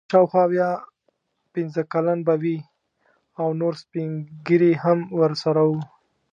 شاوخوا اویا پنځه کلن به وي او نور سپین ږیري هم ورسره وو.